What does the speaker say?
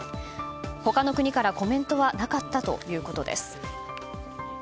他の国からコメントはなかったということです。